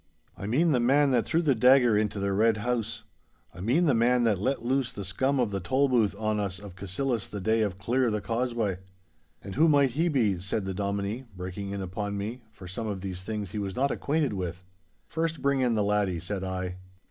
I mean the man that threw the dagger into the Red House. I mean the man that let loose the scum of the Tolbooth on us of Cassillis the day of "Clear the Causeway."' 'And who might he be?' said the Dominie, breaking in upon me, for some of these things he was not acquainted with. 'First bring in the laddie,' said I.